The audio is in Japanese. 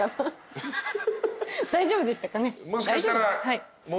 大丈夫でしたかね？